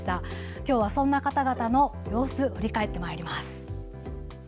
今日はそんな方々の様子を振り返ってまいります。